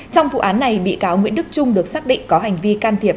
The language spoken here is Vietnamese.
trong vụ án này bị cáo nguyễn đức trung được xác định có hành vi can thiệp